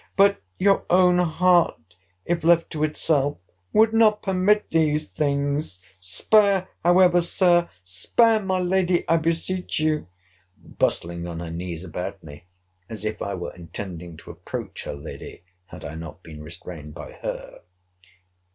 —But your own heart, if left to itself, would not permit these things—spare, however, Sir! spare my lady, I beseech you!—bustling on her knees about me, as if I were intending to approach her lady, had I not been restrained by her.